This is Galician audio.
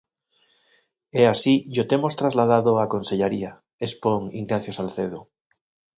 E así llo temos trasladado á Consellaría, expón Ignacio Salcedo.